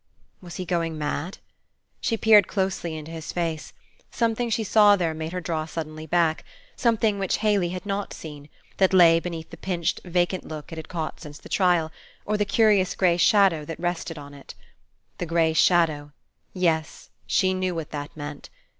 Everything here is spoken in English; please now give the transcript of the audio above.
Was he going mad? She peered closely into his face. Something she saw there made her draw suddenly back, something which Haley had not seen, that lay beneath the pinched, vacant look it had caught since the trial, or the curious gray shadow that rested on it. That gray shadow, yes, she knew what that meant.